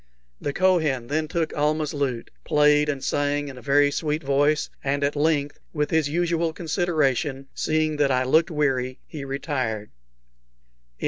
The Kohen then took Almah's lute, played and sang in a very sweet voice, and at length, with his usual consideration, seeing that I looked weary, he retired.